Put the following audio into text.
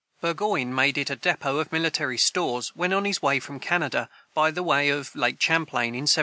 Burgoyne made it a depôt of military stores when on his way from Canada, by the way of Lake Champlain, in 1777.